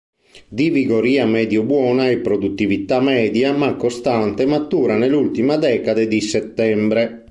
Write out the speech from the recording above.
Di vigoria medio-buona e produttività media ma costante, matura nell'ultima decade di settembre.